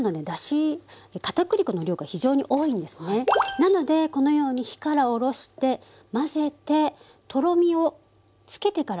なのでこのように火から下ろして混ぜてとろみをつけてから。